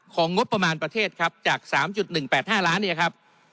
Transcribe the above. งบประมาณประเทศครับจาก๓๑๘๕ล้านเนี่ยครับ